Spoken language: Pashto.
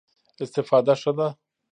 استفاده ښه ده.